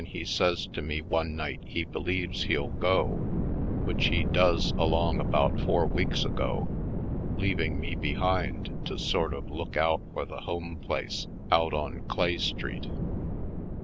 Down Yonder 15 says to me one night he believes he'll go, which he does along about four weeks ago, leaving me behind to sort of look out for the home place out on Clay Street.